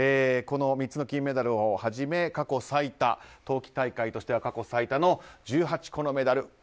この３つの金メダルをはじめ冬季大会としては過去最多の１８個のメダル。